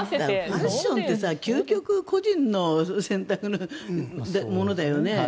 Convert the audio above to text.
ファッションって究極、個人の選択のものだよね。